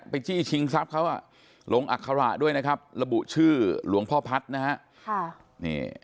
จี้ชิงทรัพย์เขาลงอัคระด้วยนะครับระบุชื่อหลวงพ่อพัฒน์นะฮะ